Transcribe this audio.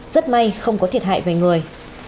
rất may không có thiệt hại về người